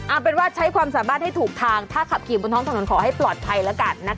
เอาเป็นว่าใช้ความสามารถให้ถูกทางถ้าขับขี่บนท้องถนนขอให้ปลอดภัยแล้วกันนะคะ